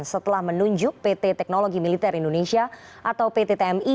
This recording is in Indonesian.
setelah menunjuk pt teknologi militer indonesia atau pt tmi